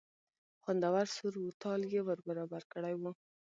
خوندور سور و تال یې ور برابر کړی و.